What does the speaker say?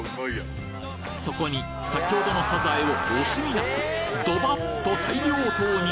そこに先ほどのサザエを惜しみなくドバッと大量投入！